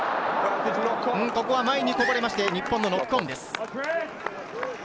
前にこぼれて日本のノックオンです。